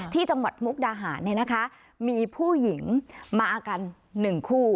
ที่จังหวัดมุกดาหารเนี่ยนะคะมีผู้หญิงมากัน๑คู่